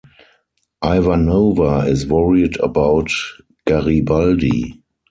Ivanova is worried about Garibaldi.